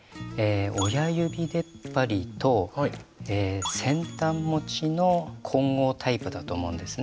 親指でっぱりと先端持ちの混合タイプだと思うんですね。